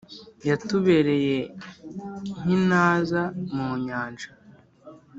Yatubereye nk’intaza mu Nyanja